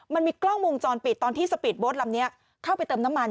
มันมีกล้องวงจรปิดตอนที่สปีดโบ๊ทลำนี้เข้าไปเติมน้ำมัน